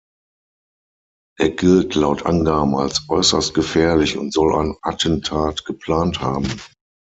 Er gilt laut Angaben als äußerst gefährlich und soll ein Attentat geplant haben.